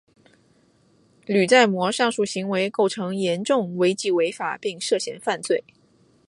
吕在模上述行为构成严重违纪违法并涉嫌犯罪。